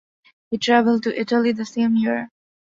He traveled to Italy the same year.